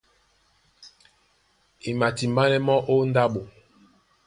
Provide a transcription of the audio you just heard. E matimbánɛ́ mɔ́ ó ndáɓo.